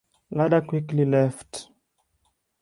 Lada quickly left.